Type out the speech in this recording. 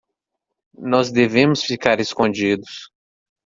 Nós devemos ficar escondidos.